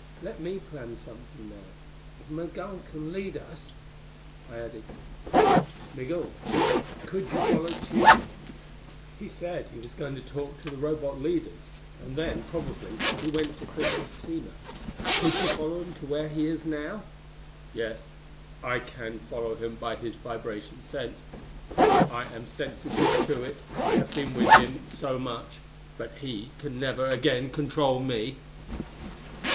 Let me plan something, now. If Migul can lead us...." I added, "Migul, could you follow Tugh? He said he was going to talk to the Robot leaders. And then, probably, he went to Princess Tina. Could you follow him to where he is now?" "Yes. I can follow him by his vibration scent. I am sensitive to it, I have been with him so much. But he can never again control me!"